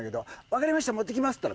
「分かりました持って行きます！」